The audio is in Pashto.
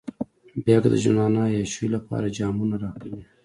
بيا که د ژوندانه عياشيو لپاره جامونه راکوئ.